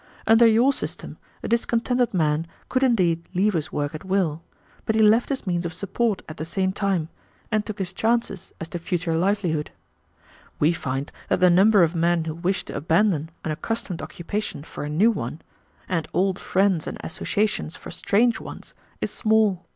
Under your system a discontented man could indeed leave his work at will, but he left his means of support at the same time, and took his chances as to future livelihood. We find that the number of men who wish to abandon an accustomed occupation for a new one, and old friends and associations for strange ones, is small.